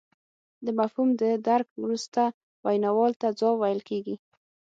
د مفهوم د درک وروسته ویناوال ته ځواب ویل کیږي